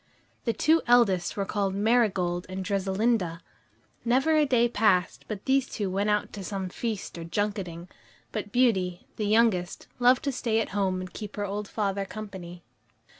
The two eldest were called Marigold and Dressalinda. Never a day passed but these two went out to some feast or junketing; but Beauty, the youngest, loved to stay at home and keep her old father company.